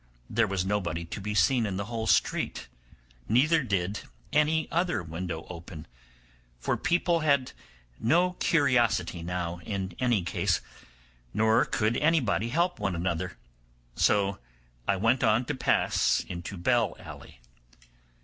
There was nobody to be seen in the whole street, neither did any other window open, for people had no curiosity now in any case, nor could anybody help one another, so I went on to pass into Bell Alley.